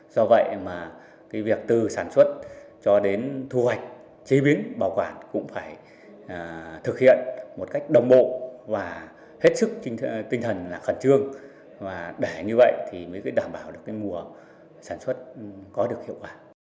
do vậy mà cái việc từ sản xuất cho đến thu hoạch chế biến bảo quản cũng phải thực hiện một cách đồng bộ và hết sức tinh thần là khẩn trương và để như vậy thì mới đảm bảo được cái mùa sản xuất có được hiệu quả